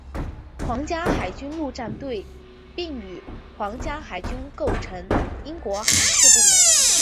皇家海军陆战队并与皇家海军构成为英国海事部门。